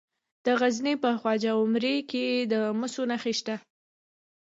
د غزني په خواجه عمري کې د مسو نښې شته.